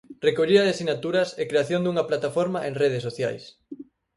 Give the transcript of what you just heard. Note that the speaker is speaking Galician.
Recollida de sinaturas e creación dunha plataforma en redes sociais.